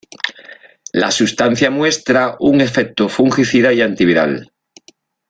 La sustancia muestra un efecto fungicida y antiviral.